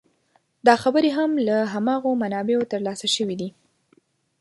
دا خبرې هم له هماغو منابعو تر لاسه شوې دي.